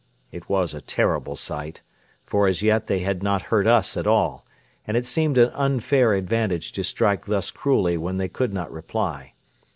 It was a terrible sight, for as yet they had not hurt us at all, and it seemed an unfair advantage to strike thus cruelly when they could not reply.